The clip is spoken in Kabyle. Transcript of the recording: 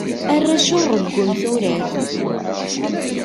Arrac ur rewwun turart.